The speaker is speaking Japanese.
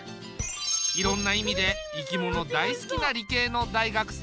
いろんな意味で生き物大好きな理系の大学生。